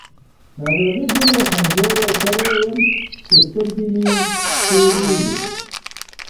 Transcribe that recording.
ناروغۍ دومره کمزوری کړی يم چې سترګې مې تورېږي.